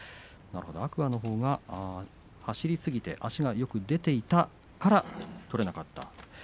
天空海のほうが走りすぎて足がよく出ていたから取れなかった。